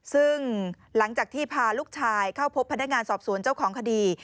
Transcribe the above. ซึ่งหลังจากที่พาลูกชายเข้าพบพนักงานสอบสวนเจ้าของคดี